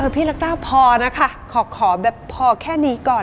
พี่นะงพอนะคะขอแบบพอแค่นี้ก่อน